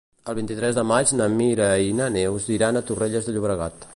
El vint-i-tres de maig na Mira i na Neus iran a Torrelles de Llobregat.